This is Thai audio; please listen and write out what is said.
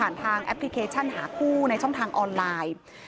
ทางแอปพลิเคชันหาคู่ในช่องทางออนไลน์